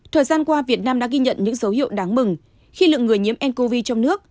thời gian qua việt nam đã ghi nhận những dấu hiệu đáng mừng khi lượng người nhiễm ncov trong nước